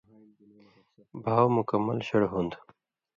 بھاؤ مکمل شڑ ہُوند